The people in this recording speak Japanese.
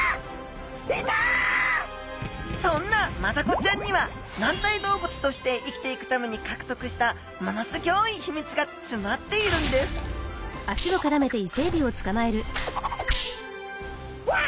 そんなマダコちゃんには軟体動物として生きていくためにかくとくしたものすギョいひみつがつまっているんですうわ